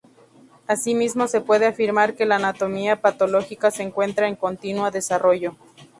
Asimismo se puede afirmar que la anatomía patológica se encuentra en continuo desarrollo.